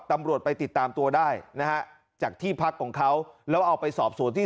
ตำรวจไปติดตามตัวได้นะฮะจากที่พักของเขาแล้วเอาไปสอบสวนที่